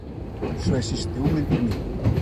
Só existe un entre mil.